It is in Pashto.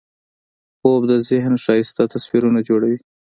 خوب د ذهن ښایسته تصویرونه جوړوي